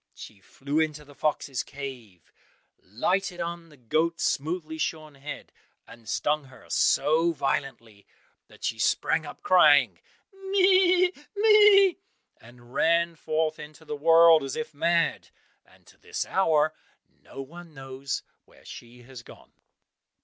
She flew into the fox's cave, lighted on the goat's smoothly shorn head, and stung her so violently, that she sprang up, crying "Meh, meh," and ran forth into the world as if mad, and to this hour no one knows where she has gone.)